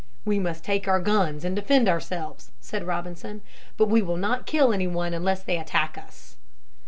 "We must take our guns and defend ourselves," said Robinson. "But we will not kill anyone unless they attack us."